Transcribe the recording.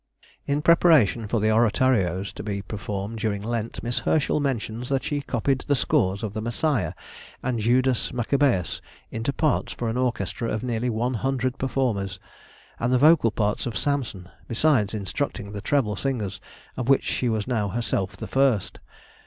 In preparation for the oratorios to be performed during Lent, Miss Herschel mentions that she copied the scores of the "Messiah" and "Judas Maccabæus" into parts for an orchestra of nearly one hundred performers, and the vocal parts of "Samson," besides instructing the treble singers, of which she was now herself the first.